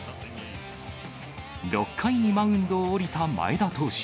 ６回にマウンドを降りた前田投手。